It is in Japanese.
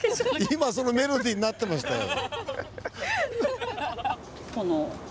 今そのメロディーになってましたよ。